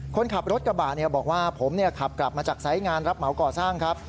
คนขับรถกระบะบอกว่าผมขับกลับมาจากสายงานรับเหมาก่อสร้างครับ